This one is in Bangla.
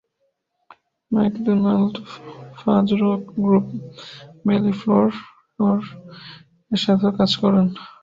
ম্যাকডোনাল্ড ফাজ রক গ্রুপ 'ভ্যালি ফ্লোর' এর সাথেও কাজ করেন।